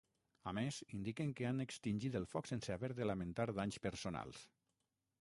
A més, indiquen que han extingit el foc sense haver de lamentar danys personals.